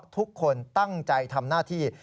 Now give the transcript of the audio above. ทุกคนตั้งใจทำหน้าที่